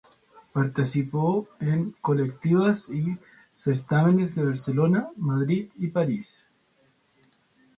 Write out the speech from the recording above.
Participó en colectivas y certámenes en Barcelona, Madrid y París.